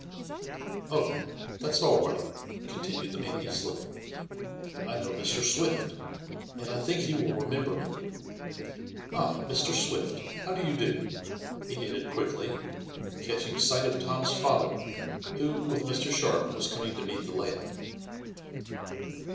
"Oh, that's all right," continued the man easily. "I know Mr. Swift, and I think he will remember me. Ah, Mr. Swift, how do you do?" he added quickly, catching sight of Tom's father, who, with Mr. Sharp, was coming to meet the lad.